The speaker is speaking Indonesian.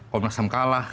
komnas ham kalah